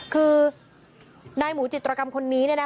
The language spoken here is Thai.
คือนายหมูจิตรกรรมคนนี้